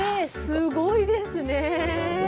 すごいですね。